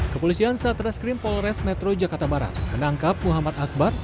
kepolisian satreskrim polres metro jakarta barat menangkap muhammad akbar